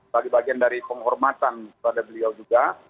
bagi bagian dari penghormatan pada beliau juga